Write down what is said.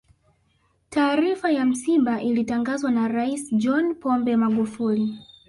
taarifa ya msiba ilitangazwa na rais john pombe magufuli